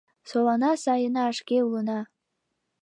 Солана сайына шке улына.